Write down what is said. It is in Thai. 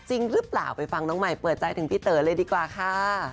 จริงหรือเปล่าไปฟังน้องใหม่เปิดใจถึงพี่เต๋อเลยดีกว่าค่ะ